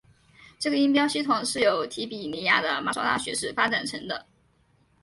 这个音标系统是由提比哩亚的马所拉学士发展成的。